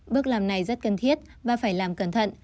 bước làm này rất cần thiết và phải làm cẩn thận